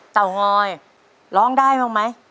เตางอยร้องได้บ้างไหม